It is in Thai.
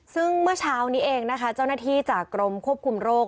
ซึ่งเมื่อเช้านี้เองนะคะเจ้าหน้าที่จากกรมควบคุมโรค